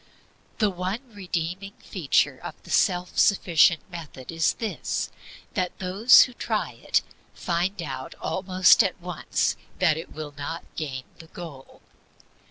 The one redeeming feature of the self sufficient method is this that those who try it find out almost at once that it will not gain the goal.